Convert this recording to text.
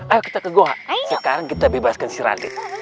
ayo kita ke goa sekarang kita bebaskan si raden